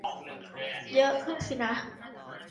เยอะขึ้นสินะ